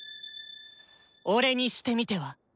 「俺」にしてみては？